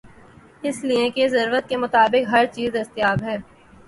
اس لئے کہ ضرورت کے مطابق ہرچیز دستیاب ہے۔